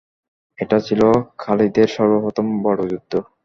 এটা ছিল খালিদের সর্বপ্রথম বড় যুদ্ধ।